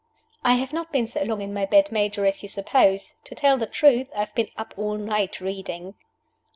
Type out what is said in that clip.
"I have not been so long in my bed, Major, as you suppose. To tell the truth, I have been up all night, reading."